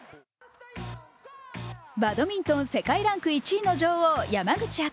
バドミントン世界ランク１位の女王、山口茜。